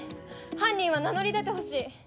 犯人は名乗り出てほしい。